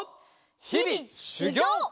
ひびしゅぎょう！